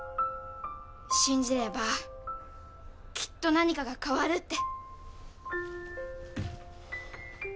信じればきっと何かが変わるって。